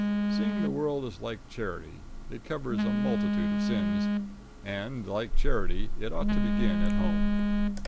Seeing the world is like charity it covers a multitude of sins, and, like charity, it ought to begin at home.